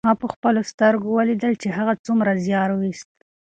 ما په خپلو سترګو ولیدل چې هغه څومره زیار ویوست.